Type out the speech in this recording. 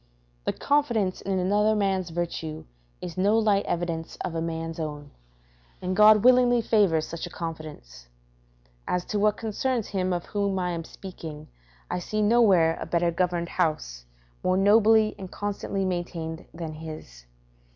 The confidence in another man's virtue is no light evidence of a man's own, and God willingly favours such a confidence. As to what concerns him of whom I am speaking, I see nowhere a better governed house, more nobly and constantly maintained than his.